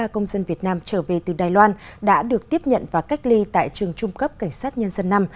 ba trăm bốn mươi ba công dân việt nam trở về từ đài loan đã được tiếp nhận và cách ly tại trường trung cấp cảnh sát nhân dân năm